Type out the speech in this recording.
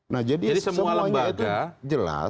nah jadi semuanya itu jelas